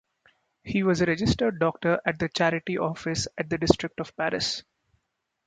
He was a registered doctor at the charity office at the district of Paris.